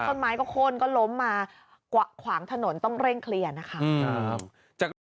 ต้นไม้ก็โค้นก็ล้มมากว่าขวางถนนต้องเร่งเคลียร์นะคะ